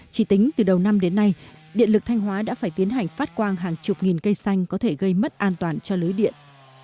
chỉ tính từ đầu năm đến nay điện lực thanh hóa đã phải tiến hành phát quang hàng chục nghìn cây xanh có thể gây mất an toàn cho lưới điện